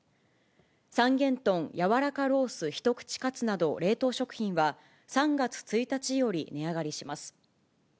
三元豚やわらかロースひとくちかつなど冷凍食品は、３月１日より値上がりします。